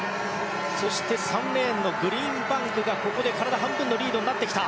そして、３レーンのグリーンバンクが体半分のリードになってきた。